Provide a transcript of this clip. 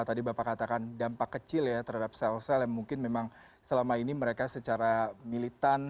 tadi bapak katakan dampak kecil ya terhadap sel sel yang mungkin memang selama ini mereka secara militan